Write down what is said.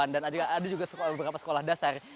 ada juga beberapa sekolah dasar